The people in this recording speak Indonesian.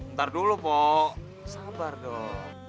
ntar dulu bu sabar dong